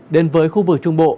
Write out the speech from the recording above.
đến với khu vực trung bộ